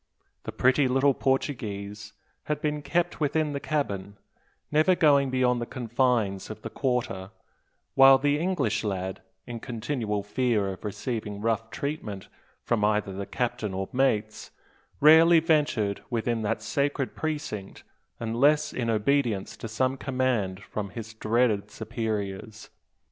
The pretty little Portuguese had been kept within the cabin, never going beyond the confines of the "quarter"; while the English lad, in continual fear of receiving rough treatment from either the captain or mates, rarely ventured within that sacred precinct unless in obedience to some command from his dreaded superiors.